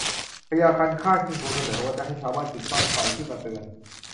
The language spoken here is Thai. พญาคันคากจึงทูลเสนอว่าจะให้ชาวบ้านจุดบั้งไฟขึ้นมาเตือน